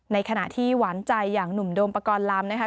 ในขณะที่หวานใจอย่างหนุ่มโดมประกอลลำ